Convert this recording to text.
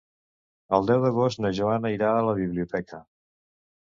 El deu d'agost na Joana irà a la biblioteca.